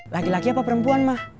lagi lagi apa perempuan mah